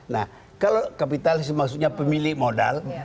nah kalau kapitalis maksudnya pemilik modal